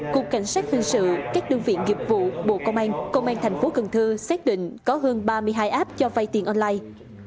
cục cảnh sát hình sự các đơn viện nghiệp vụ bộ công an công an tp cn xét định có hơn ba mươi hai app cho vai tiền online